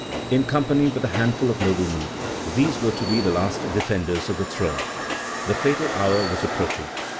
In company with a handful of noblemen, these were to be the last defenders of the throne. The fatal hour was approaching.